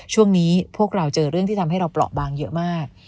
ช่วงนี้พวกเราเจอเรื่องที่ทำให้เราเปราะบางเยอะมาก